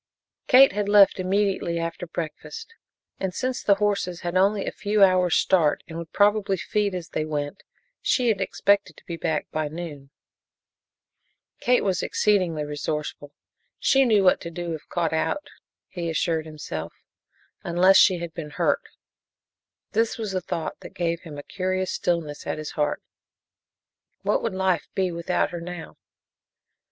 Kate had left immediately after breakfast, and since the horses had only a few hours' start and would probably feed as they went, she had expected to be back by noon. Kate was exceedingly resourceful she knew what to do if caught out, he assured himself, unless she had been hurt. It was this thought that gave him a curious stillness at his heart. What would life be without her now?